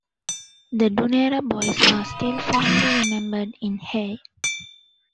The 'Dunera Boys' are still fondly remembered in Hay.